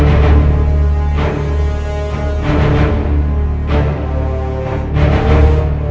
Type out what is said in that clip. soalnya dia bisa menjengkelkan orang